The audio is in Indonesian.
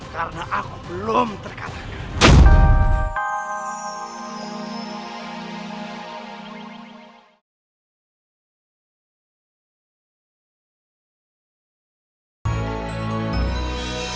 karena aku belum terkadang